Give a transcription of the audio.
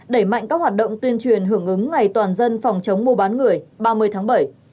đẩy mạnh các hoạt động tuyên truyền hưởng ứng ngày toàn dân phòng chống mua bán người ba mươi tháng bảy